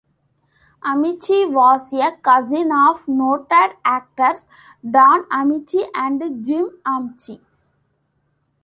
Ameche was a cousin of noted actors Don Ameche and Jim Ameche.